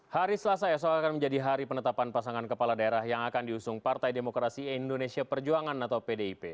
hari selasa esok akan menjadi hari penetapan pasangan kepala daerah yang akan diusung partai demokrasi indonesia perjuangan atau pdip